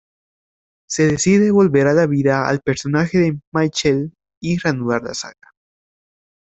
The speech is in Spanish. Se decide devolver a la vida al personaje de Michael y reanudar la saga.